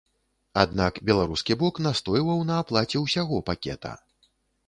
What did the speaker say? Аднак беларускі бок настойваў на аплаце ўсяго пакета.